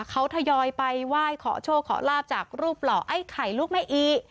เขาทยอยไปไหว้ขอโชคขอลาบจากรูปหล่อไอ้ไข่ลูกแม่อี